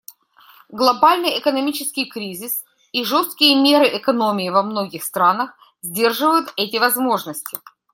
Глобальный экономический кризис и жесткие меры экономии во многих странах сдерживают эти возможности.